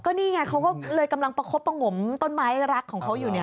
นี่ไงเขาก็เลยกำลังประคบประงมต้นไม้รักของเขาอยู่เนี่ย